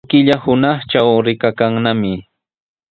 Llullu killa hunaqtraw rikakannami.